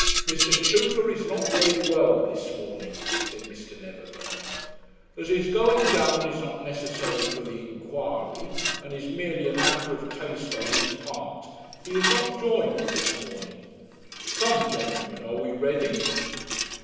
'Mr. Tudor is not very well this morning,' said Mr. Neverbend. 'As his going down is not necessary for the inquiry, and is merely a matter of taste on his part, he has not joined me this morning. Come, gentlemen, are we ready?'